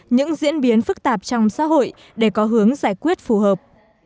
những diễn biến phức tạp trong xã hội để có hướng giải quyết phù hợp